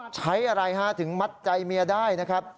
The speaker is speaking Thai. ใช้อะไรฮะถึงมัดใจเมียได้นะครับ